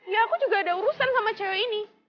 ya aku juga ada urusan sama cewek ini